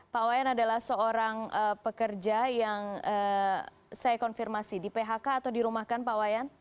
pak wayan adalah seorang pekerja yang saya konfirmasi di phk atau dirumahkan pak wayan